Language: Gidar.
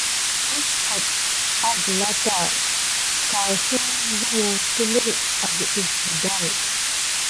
Heskote adkota ɗazen su lumu teline agəlzevədal.